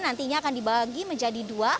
nantinya akan dibagi menjadi dua